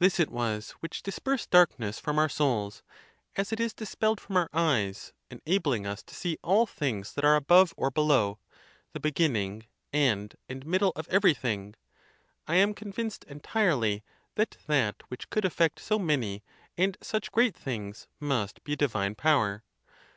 This it was which dispersed darkness from our souls, as it is dispelled from our eyes, enabling us to see all things that are above or below, the beginning, end, and middle of ev erything. JI am convinced entirely that that which could effect so many and such great things must be a divine power.